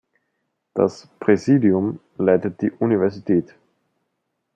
Das "Präsidium" leitet die Universität.